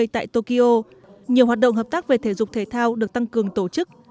tại tokyo nhiều hoạt động hợp tác về thể dục thể thao được tăng cường tổ chức